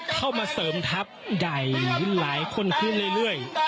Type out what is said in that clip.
เข้ามาเสริมทัพใหญ่หลายคนขึ้นเรื่อย